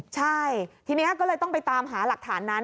ใช่ทีนี้ก็เลยต้องไปตามหาหลักฐานนั้น